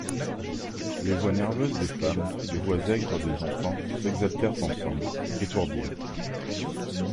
Les voix nerveuses des femmes, les voix aigres des enfants s'exaltèrent ensemble, étourdirent.